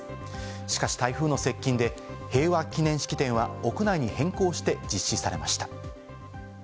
しかし台風の接近で平和祈念式典は屋内に変更して実施されました。